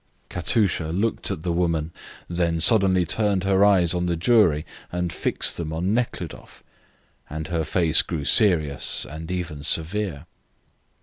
Katusha looked at the woman, then suddenly turned her eyes on the jury and fixed them on Nekhludoff, and her face grew serious and even severe.